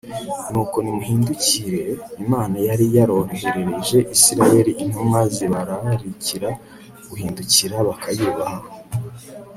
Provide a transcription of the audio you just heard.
nuko nimuhindukire Imana yari yaroherereje Isirayeli intumwa zibararikira guhindukira bakayubaha